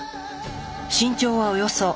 身長はおよそ１１０ｃｍ。